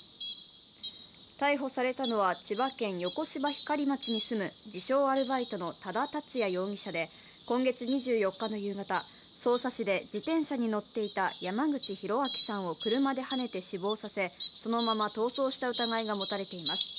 逮捕されたのは千葉県横芝光町に住む自称・アルバイトの多田達也容疑者で、今月２４日の夕方匝瑳市で自転車に乗っていた山口浩明さんを車ではねて死亡させ、そのまま逃走した疑いが持たれています。